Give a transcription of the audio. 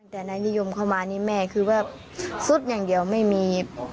แต่นายนิยมเข้ามานี่แม่คือว่าสุดอย่างเดียวไม่มี